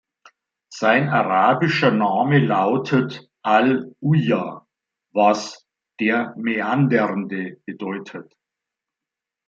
Sein arabischer Name lautet "Al-'Uja", was „der Mäandernde“ bedeutet.